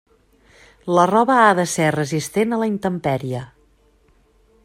La roba ha de ser resistent a la intempèrie.